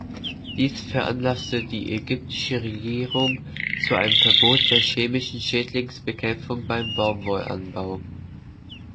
Dies veranlasste die ägyptische Regierung zu einem Verbot der chemischen Schädlingsbekämpfung beim Baumwollanbau.